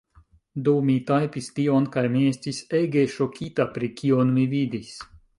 Do, mi tajpis tion... kaj mi estis ege ŝokita pri kion mi vidis